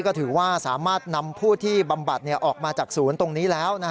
ก็ถือว่าสามารถนำผู้ที่บำบัดออกมาจากศูนย์ตรงนี้แล้ว